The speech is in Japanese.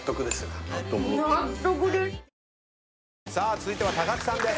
続いては木さんです。